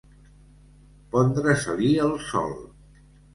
Pondre-se-li el sol.